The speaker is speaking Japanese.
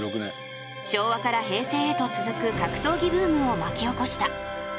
昭和から平成へと続く格闘技ブームを巻き起こした。